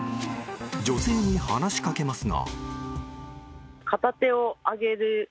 女性に話しかけますが。